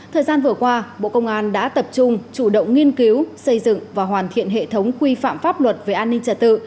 thời gian vừa qua bộ công an đã tập trung chủ động nghiên cứu xây dựng và hoàn thiện hệ thống quy phạm pháp luật về an ninh trật tự